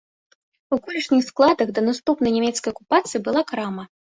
У колішніх складах да наступнай нямецкай акупацыі была крама.